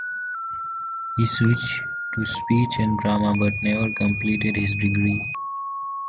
He switched to Speech and Drama but never completed his degree.